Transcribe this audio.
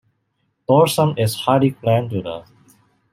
Dorsum is highly glandular.